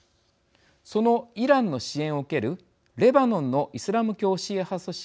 そのイランの支援を受けるレバノンのイスラム教シーア派組織